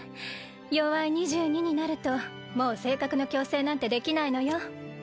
よわい２２になるともう性格の矯正なんてできないのよ。